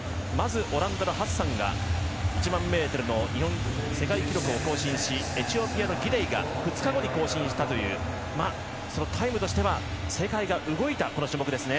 オランダのハッサンが１００００ｍの世界記録を更新しエチオピアのギデイが２日後に更新したというタイムとしては世界が動いた種目ですね。